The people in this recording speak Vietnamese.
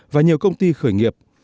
và nhiều công ty khởi nghiệp